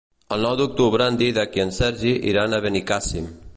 El nou d'octubre en Dídac i en Sergi iran a Benicàssim.